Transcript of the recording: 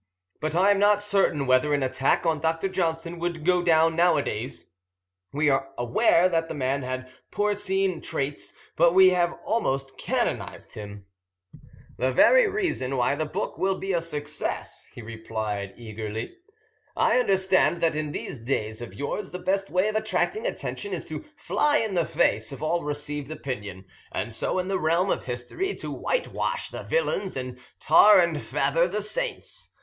But I am not certain whether an attack on Dr. Johnson would go down nowadays. We are aware that the man had porcine traits, but we have almost canonised him." "The very reason why the book will be a success," he replied eagerly. "I understand that in these days of yours the best way of attracting attention is to fly in the face of all received opinion, and so in the realm of history to whitewash the villains and tar and feather the saints.